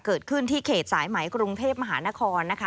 เกิดขึ้นที่เขตสายไหมกรุงเทพมหานครนะคะ